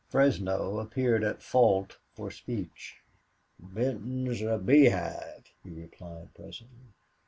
Fresno appeared at fault for speech. "Benton's a beehive," he replied, presently.